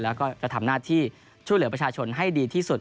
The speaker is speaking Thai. แล้วก็จะทำหน้าที่ช่วยเหลือประชาชนให้ดีที่สุด